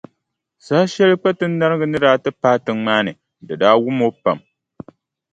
Saha shɛli Kpatinariŋga ni daa ti paai tiŋa maa ni, di daa wum o pam.